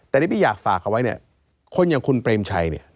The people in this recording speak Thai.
แต่นี่พี่อยากฝากเอาไว้คนอย่างคุณเปรมชัย